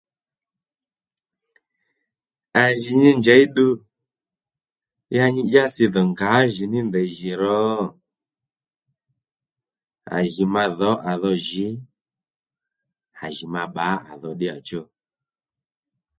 À ji nyi njěy ddu ya nyi dyási dho ngǎjìní ndèy jì ro à jì ma dho à dhò jǐ à jì ma bbǎ à dhò ddíyàchú